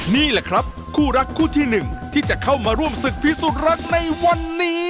นี่แหละครับคู่รักคู่ที่๑ที่จะเข้ามาร่วมศึกพิสูจน์รักในวันนี้